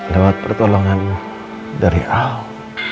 lewat pertolongan dari allah